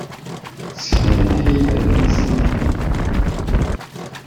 Sseknent-iyi-d adlis-nni.